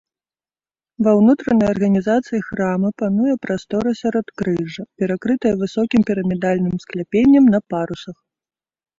Ва ўнутранай арганізацыі храма пануе прастора сяродкрыжжа, перакрытая высокім пірамідальным скляпеннем на парусах.